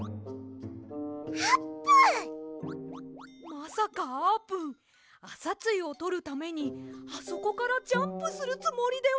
まさかあーぷんあさつゆをとるためにあそこからジャンプするつもりでは！